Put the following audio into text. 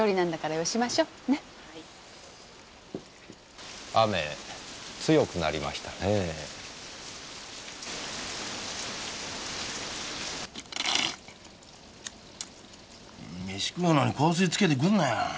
メシ食うのに香水つけてくんなよ！